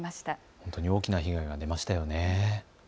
本当に大きな被害が出ましたよね。